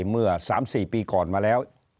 เมื่อ๓๔ปีก่อนมาแล้ว